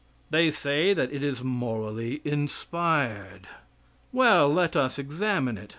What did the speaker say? They say that it is morally inspired. Well, let us examine it.